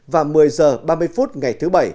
và một mươi h ba mươi ngày thứ bảy